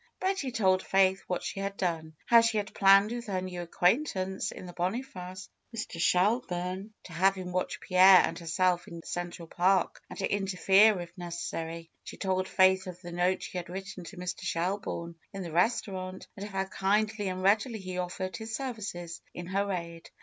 Betty told Faith what she had done. How she had planned with her new acquaintance in the Boniface, Mr. Shelburne, to have him watch Pierre and herself in Central Park, and to interfere, if necessary. She told Faith of the note she had written to Mr. Shel burne in the restaurant, and of how kindly and readily he offered his services in her aid.